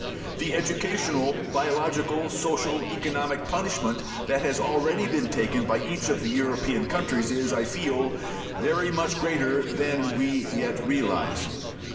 The educational, biological, social, economic punishment that has already been taken by each of the European countries is, I feel, very much greater than we yet realize.